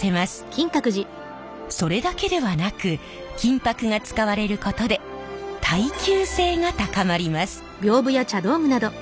それだけではなく金箔が使われることで耐久性が高まります。